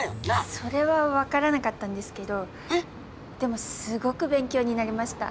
それはわからなかったんですけどでもすごく勉強になりました。